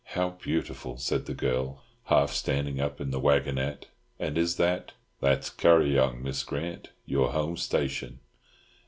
"How beautiful!" said the girl, half standing up in the waggonette, "and is that—" "That's Kuryong, Miss Grant. Your home station."